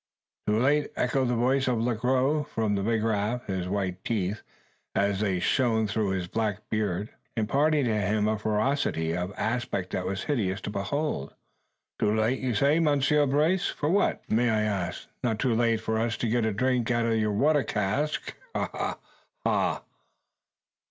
"Too late!" echoed the voice of Le Gros from the big raft, his white teeth, as they shone through his black beard, imparting to him a ferocity of aspect that was hideous to behold. "Too late, you say, Monsieur Brace. For what, may I ask? Not too late for us to get a drink out of your water cask. Ha! ha!